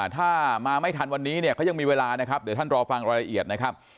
ถ้ามาไม่ทันวันนี้เนี่ยเขายังมีเวลานะครับเดี๋ยวท่านรอฟังรายละเอียดนะครับ